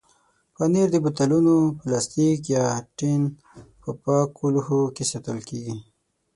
پنېر د بوتلونو، پلاستیک یا ټین په پاکو لوښو کې ساتل کېږي.